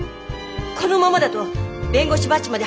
このままだと弁護士バッジまで剥奪よ。